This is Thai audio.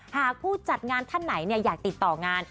หากผู้จัดงานท่านไหนอยากติดต่องาน